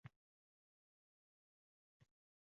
Ajoyib feruza gulni oxirgi bor sug‘orib